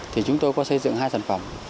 thì chúng tôi có xây dựng hai sản phẩm